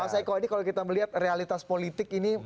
pak saiko ini kalau kita melihat realitas politik ini